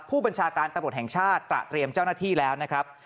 ผู้บัญชาการตำรวจแห่งชาติตระเตรียมเจ้าหน้าที่แล้วนะครับ